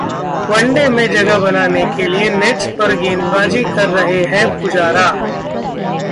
one day में जगह बनाने के लिए नेट्स पर गेंदबाजी कर रहे हैं पुजारा